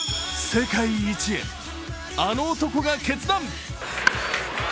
世界一へ、あの男が決断。